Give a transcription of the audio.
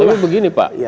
tapi begini pak